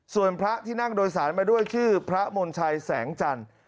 ส่วนพระที่นั่งโดยสารมาด้วยชื่อพระมณชัยแสงจันทร์